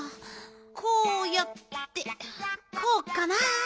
こうやってこうかな？